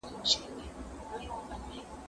زه اجازه لرم چي وخت ونیسم!!